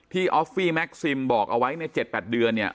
ออฟฟี่แม็กซิมบอกเอาไว้ใน๗๘เดือนเนี่ย